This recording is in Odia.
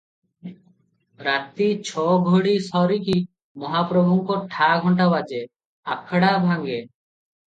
ରାତି ଛଅ ଘଡ଼ି ସରିକି ମହାପ୍ରଭୁଙ୍କ ଠା ଘଣ୍ଟା ବାଜେ, ଆଖଡା ଭାଙ୍ଗେ ।